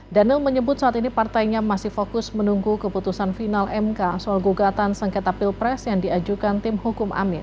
daniel menyebut saat ini partainya masih fokus menunggu keputusan final mk soal gugatan sengketa pilpres yang diajukan tim hukum amin